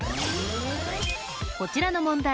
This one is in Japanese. こちらの問題